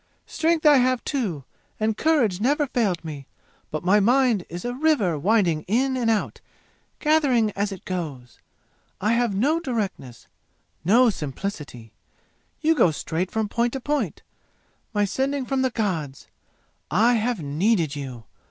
Strength I have, too, and courage never failed me, but my mind is a river winding in and out, gathering as it goes. I have no directness no simplicity! You go straight from point to point, my sending from the gods! I have needed you!